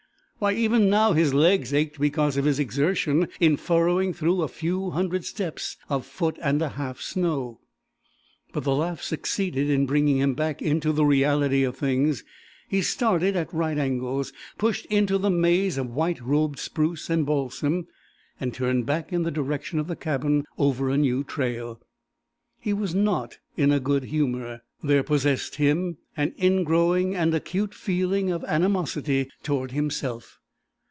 Why, even now, his legs ached because of his exertion in furrowing through a few hundred steps of foot and a half snow! But the laugh succeeded in bringing him back into the reality of things. He started at right angles, pushed into the maze of white robed spruce and balsam, and turned back in the direction of the cabin over a new trail. He was not in a good humour. There possessed him an ingrowing and acute feeling of animosity toward himself.